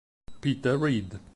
Peter Reed